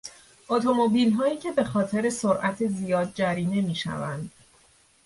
اتومبیلهایی که به خاطر سرعت زیاد جریمه میشوند